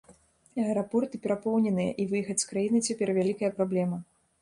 Аэрапорты перапоўненыя і выехаць з краіны цяпер вялікая праблема.